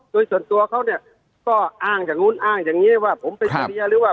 โดยส่วนตัวเขาเนี้ยก็อ้างจากนู้นอ้างอย่างเงี้ยว่าผมไปทรีย์หรือว่า